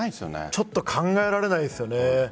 ちょっと考えられないですよね。